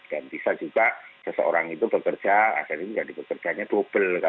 dan bisa juga seseorang itu bekerja asn ini jadi bekerjanya double